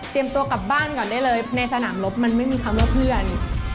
ตัวกลับบ้านก่อนได้เลยในสนามรบมันไม่มีคำว่าเพื่อน